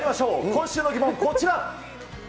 今週の疑問、こちら。